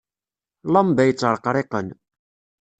Lamba yettreqriqen.